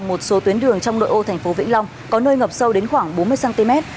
một số tuyến đường trong nội ô thành phố vĩnh long có nơi ngập sâu đến khoảng bốn mươi cm